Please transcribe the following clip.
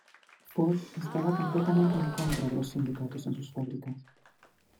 Ford estaba completamente en contra de los sindicatos en sus fábricas.